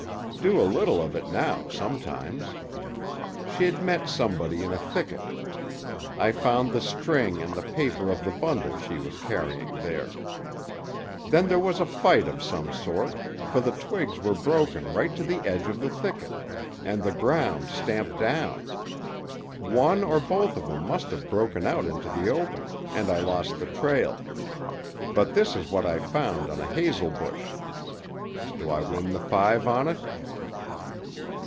Do a little of it now, sometimes. She'd met somebody in a thicket. I found the string and the paper of the bundle she was carrying, there. Then there was a fight of some sort; for the twigs were broken right to the edge of the thicket, and the ground stamped down. One or both of 'em must have broken out into the open, and I lost the trail. But this is what I found on a hazel bush. Do I win the five on it?"